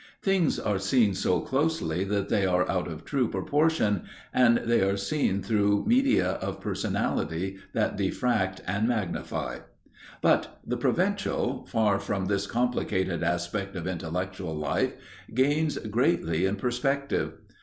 Things are seen so closely that they are out of true proportion, and they are seen through media of personality that diffract and magnify. But the provincial, far from this complicated aspect of intellectual life, gains greatly in perspective.